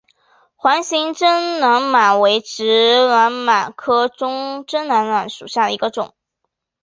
环形真绥螨为植绥螨科真绥螨属下的一个种。